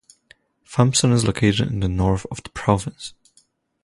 Thompson is located in the north of the province.